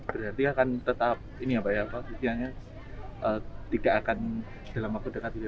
berarti akan tetap ini apa ya pak kebutuhannya tidak akan dalam akun dekat